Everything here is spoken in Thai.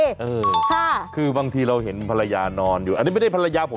เออค่ะคือบางทีเราเห็นภรรยานอนอยู่อันนี้ไม่ได้ภรรยาผม